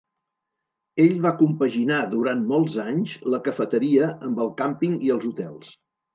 Ell va compaginar durant molts anys la cafeteria amb el càmping i els hotels.